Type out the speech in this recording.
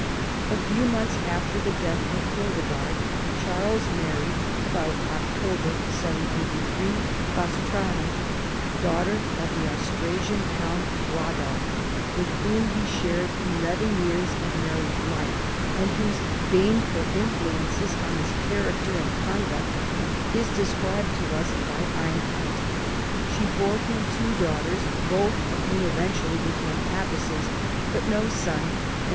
A few months after the death of Hildegard, Charles married (about October, 783) Fastrada, daughter of the Austrasian count Eadolf, with whom he shared eleven years of married life, and whose baneful in fluence on his character and conduct is described to us by Einhard. She bore him two daughters (both of whom eventually became abbesses) but no son, and 280 CHARLEMAGNE.